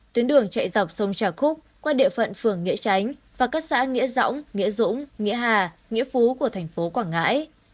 tuyến đường chạy dọc sông trà khúc qua địa phận phường nghĩa tránh và các xã nghĩa dõng nghĩa dũng nghĩa hà nghĩa phú của thành phố quảng ngãi